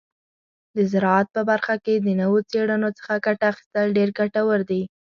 د زراعت په برخه کې د نوو څیړنو څخه ګټه اخیستل ډیر ګټور دي.